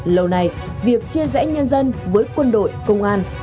lâu nay việc chia rẽ nhân dân với quân đội công an